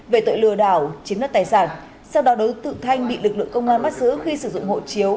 về tội lừa đảo chiếm đất tài sản sau đó đối tượng thanh bị lực lượng công an bắt giữ khi sử dụng hộ chiếu